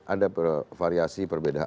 ada variasi perbedaan